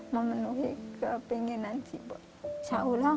memenuhi kepinginan ciput syahullah